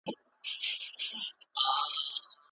هغه په یوازیتوب کې د تېر وخت رنګین انځورونه ویني.